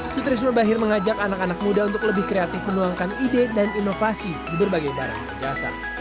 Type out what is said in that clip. sutrisno bahir mengajak anak anak muda untuk lebih kreatif menuangkan ide dan inovasi di berbagai barang jasa